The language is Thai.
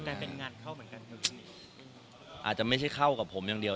ก็อาจจะไม่ใช่เข้ากับผมอย่างเดียว